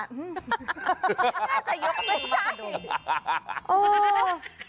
น่าจะยกไม่ใช่